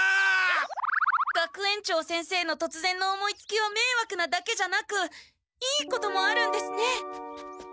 学園長先生のとつぜんの思いつきはめいわくなだけじゃなくいいこともあるんですね！